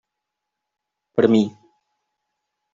Per a mi.